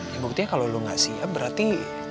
yang berarti kalo lo gak siap berarti